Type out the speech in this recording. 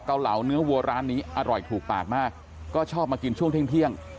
เหลาเนื้อวัวร้านนี้อร่อยถูกปากมากก็ชอบมากินช่วงเที่ยง